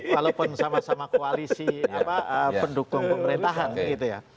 walaupun sama sama koalisi pendukung pemerintahan gitu ya